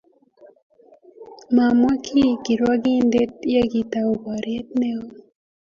Mamwa ki kirwangindet ya kitau bariet neo